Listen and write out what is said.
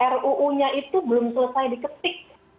ruu nya itu belum selesai diketik